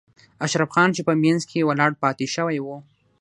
اشرف خان چې په منځ کې ولاړ پاتې شوی و.